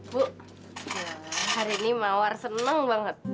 bu hari ini mawar senang banget